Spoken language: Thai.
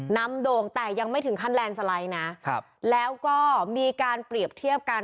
โด่งแต่ยังไม่ถึงขั้นแลนด์สไลด์นะครับแล้วก็มีการเปรียบเทียบกัน